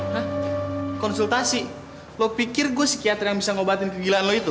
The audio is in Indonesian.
hah konsultasi lo pikir gue psikiater yang bisa ngobatin kegilaan lo itu